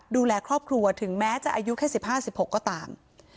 ดูแลครอบครัวถึงแม้จะอายุแค่๑๕๑๖ก็ตาม